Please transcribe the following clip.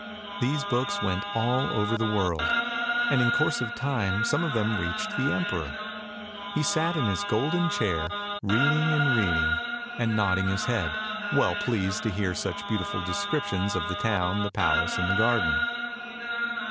These books went all over the world, and in course of time some of them reached the emperor. He sat in his golden chair reading and reading, and nodding his head, well pleased to hear such beautiful descriptions of the town, the palace, and the garden.